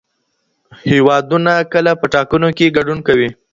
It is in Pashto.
هیوادونه کله په ټاکنو کي ګډون کوي؟